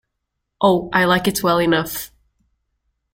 Oh, I like it well enough!